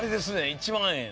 １万円。